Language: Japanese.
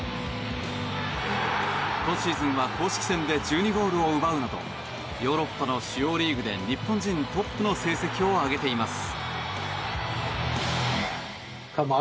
今シーズンは公式戦で１２ゴールを奪うなどヨーロッパの主要リーグで日本人トップの成績を挙げています。